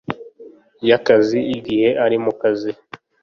Y akazi igihe ari mu kazi